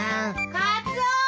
・カツオー！